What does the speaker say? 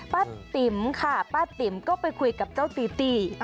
ป้าติ๋มค่ะป้าติ๋มก็ไปคุยกับเจ้าตีตี้